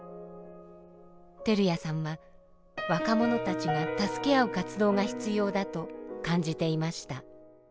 照屋さんは若者たちが助け合う活動が必要だと感じていました。